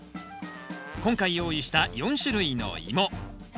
今回用意した４種類のイモ。